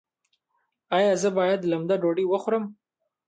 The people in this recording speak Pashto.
ایا زه باید لمده ډوډۍ وخورم؟